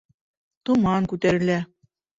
Томан күтәрелә